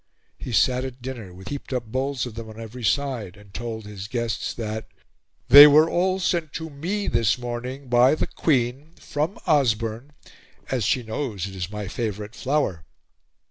He sat at dinner with heaped up bowls of them on every side, and told his guests that "they were all sent to me this morning by the Queen from Osborne, as she knows it is my favorite flower."